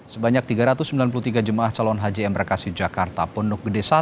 sebanyak tiga ratus sembilan puluh tiga jemaah calon haji embarkasi jakarta pondok gede satu